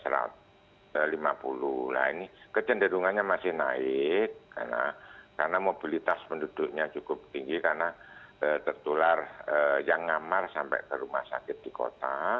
nah ini kecenderungannya masih naik karena mobilitas penduduknya cukup tinggi karena tertular yang ngamar sampai ke rumah sakit di kota